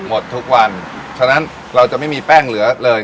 หมดทุกวันฉะนั้นเราจะไม่มีแป้งเหลือเลย